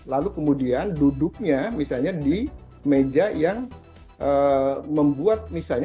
lalu kemudian duduknya misalnya di meja yang membuat misalnya